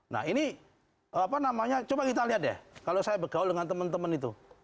nah ini apa namanya coba kita lihat deh kalau saya bergaul dengan teman teman itu